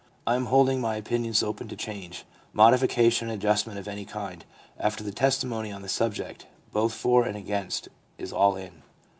I am holding my opinions open to change, modification and adjustment of any kind, after the testimony on the subject, both for and against, is all in.'